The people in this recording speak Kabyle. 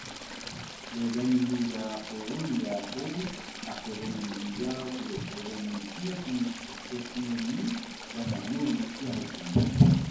Laban inuda aqiḍun n Yeɛqub, aqiḍun n Liya akked uqiḍun n snat n tqeddacin-nni, lameɛna ur yufi acemma.